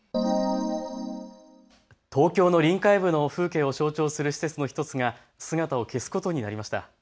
東京の臨海部の風景を象徴する施設の１つが姿を消すことになりました。